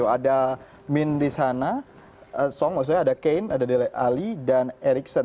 ada min di sana song maksudnya ada kane ada dele ali dan ericson